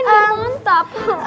wah ini mantap